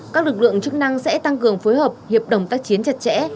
các lực lượng chức năng sẽ tăng cường phối hợp hiệp đồng tác chiến chặt chẽ